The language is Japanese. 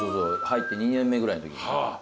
入って２年目ぐらいのときに。